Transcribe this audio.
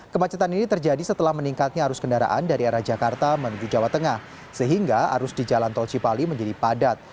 kemacetan ini terjadi setelah meningkatnya arus kendaraan dari arah jakarta menuju jawa tengah sehingga arus di jalan tol cipali menjadi padat